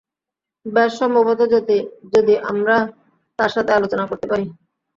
বেশ, সম্ভবত যদি আমরা তার সাথে আলোচনা করতে পারি।